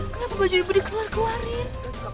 kenapa baju ibu dikeluarin